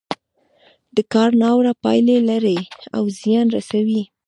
دا کار ناوړه پايلې لري او زيان رسوي.